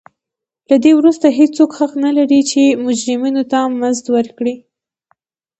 له دې وروسته هېڅوک حق نه لري چې مجرمینو ته مزد ورکړي.